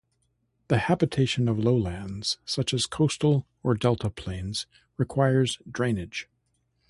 The habitation of lowlands, such as coastal or delta plains, requires drainage.